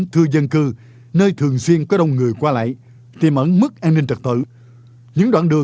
theo thống kê của cục quản lý đấu thầu